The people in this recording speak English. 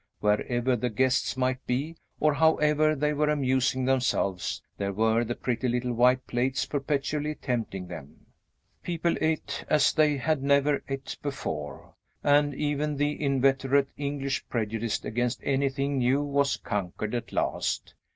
Wherever the guests might be, or however they were amusing themselves, there were the pretty little white plates perpetually tempting them. People eat as they had never eat before, and even the inveterate English prejudice against anything new was conquered at last.